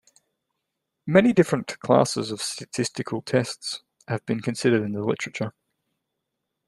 Many different classes of statistical tests have been considered in the literature.